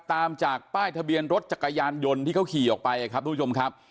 ตามจากป้ายทะเบียนรถจักรยานยนต์ที่เขาขี่ออกไปครับทุกผู้ชมครับ